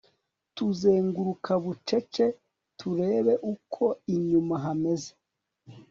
tuzenguruka bucece turebe uko inyuma hameze